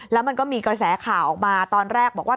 แล้วมันก็มีกระแสข่าวออกมาตอนแรกบอกว่า